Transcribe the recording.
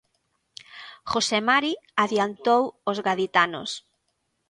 José Mari adiantou os gaditanos.